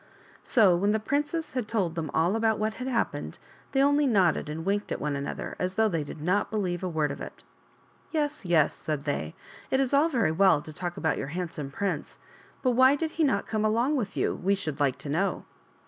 So when the princess had told them all about what had happened, they only nodded and winked at one another as though they did not believe a word of it. " Yes, yes," said they, " it is all very well to talk about your handsome prince ; but why did he not come along with you, we should like to know